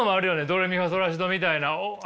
ドレミファソラシドみたいなあの。